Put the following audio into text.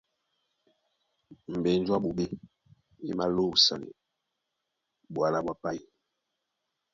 Mbenju a ɓoɓé e malóúsánɛ́ ɓwǎla ɓwá páí.